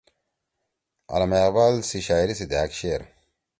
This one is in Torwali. علامہ اقبال سی شاعری سی دھأک شعر